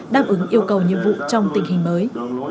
đáp ứng yêu cầu nhiệm vụ trong tình hình mới